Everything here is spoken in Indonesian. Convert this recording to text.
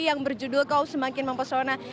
yang berjudul kau semakin mempesona